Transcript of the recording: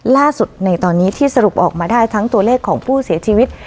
ล่าสุดในตอนนี้ที่สรุปออกมาได้ทั้งตัวเลขของผู้เสียชีวิต